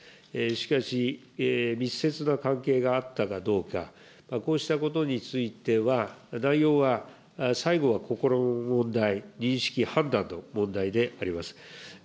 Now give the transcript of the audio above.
しかし、密接な関係があったかどうか、こうしたことについては、内容は最後は心の問題、認識、判断の問題であります。